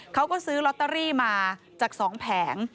เขาก็ซื้อลอตเตอรี่มาจาก๒แผง